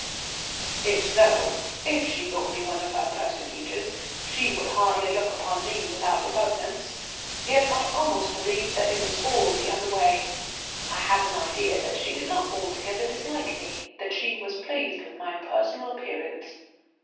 If so if she thought me one of her persecutors she would hardly look upon me without repugnance, yet I almost believed it was all the other way. I had an idea that she did not altogether dislike me, that she was pleased with my personal appearance.